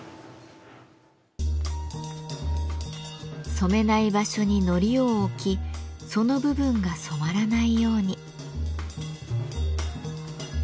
染めない場所に糊を置きその部分が染まらないように。